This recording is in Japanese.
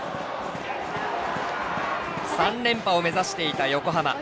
３連覇を目指していた横浜。